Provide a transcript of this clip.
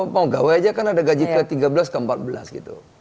mau gawai aja kan ada gaji ke tiga belas ke empat belas gitu